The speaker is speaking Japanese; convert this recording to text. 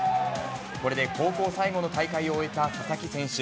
これで高校最後の大会を終えた佐々木選手。